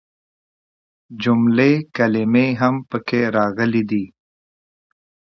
جملې ،کلمې هم پکې راغلي دي.